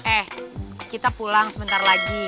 eh kita pulang sebentar lagi